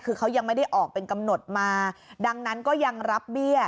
คือเขายังไม่ได้ออกเป็นกำหนดมาดังนั้นก็ยังรับเบี้ย